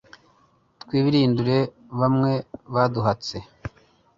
twibilindure bamwe baduhatse